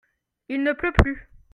Il ne pleut plus.